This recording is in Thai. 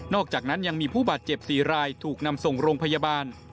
อกจากนั้นยังมีผู้บาดเจ็บ๔รายถูกนำส่งโรงพยาบาล